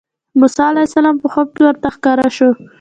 موسی علیه السلام په خوب کې ورته ښکاره شو.